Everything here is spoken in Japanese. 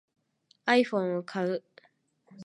iPhone を買う